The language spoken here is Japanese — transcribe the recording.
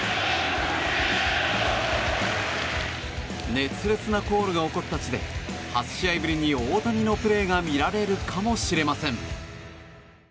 熱烈なコールが起こった地で８試合ぶりに大谷のプレーが見られるかもしれません。